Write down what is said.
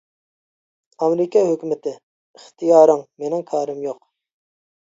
ئامېرىكا ھۆكۈمىتى: ئىختىيارىڭ، مېنىڭ كارىم يوق.